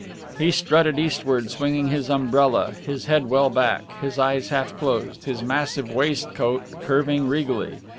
He strutted eastward swinging his umbrella, his head well back, his eyes half closed, his massive waistcoat curving regally.